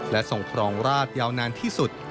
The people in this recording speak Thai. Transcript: และส่งครองราชยาวนานที่สุด